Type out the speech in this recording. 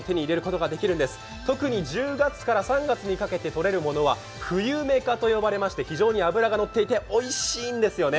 特に１０月から３月にかけてとれるものは冬メカと呼ばれまして非常に脂が乗っていておいしいんですよね。